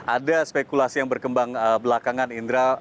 ada spekulasi yang berkembang belakangan indra